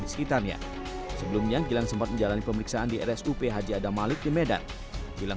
di sekitarnya sebelumnya gilang sempat menjalani pemeriksaan di rsup haji adam malik di medan gilang